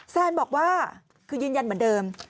แซนบอกว่าคือยืนยันเหมือนเดิม